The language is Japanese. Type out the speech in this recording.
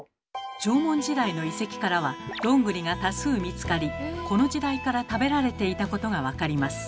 縄文時代の遺跡からはどんぐりが多数見つかりこの時代から食べられていたことが分かります。